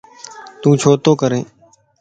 تو ڇو تو ڪرين؟